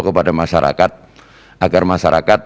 kepada masyarakat agar masyarakat